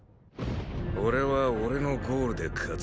俺は俺のゴールで勝つ。